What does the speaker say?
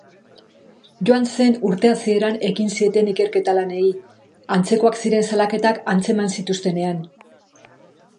Joan zen urte hasieran ekin zieten ikerketa-lanei, antzekoak ziren salaketak antzeman zituztenean.